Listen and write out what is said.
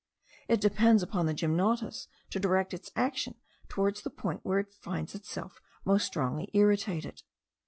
It depends upon the gymnotus to direct its action towards the point where it finds itself most strongly irritated.